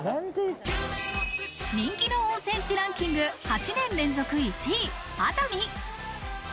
人気の温泉地ランキング８年連続１位、熱海。